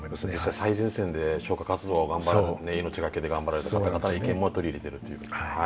最前線で消火活動を命懸けで頑張られた方々の意見も取り入れてるっていう。